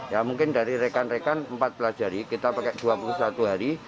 ya mungkin dari rekan rekan empat pelajari kita pakai dua puluh satu hari